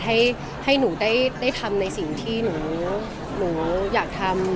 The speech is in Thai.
ให้หนูได้ทำในสิ่งที่หนูอยากทำ